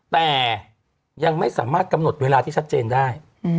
แต่ยังไม่สามารถกำหนดเวลาที่ชัดเจนได้